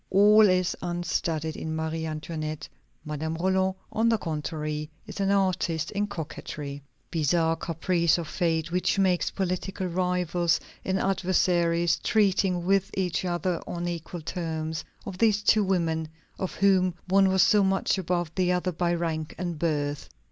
All is unstudied in Marie Antoinette; Madame Roland, on the contrary, is an artist in coquetry. Bizarre caprice of fate which makes political rivals and adversaries treating with each other on equal terms of these two women, of whom one was so much above the other by rank and birth.